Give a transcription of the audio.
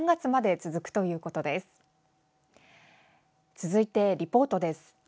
続いて、リポートです。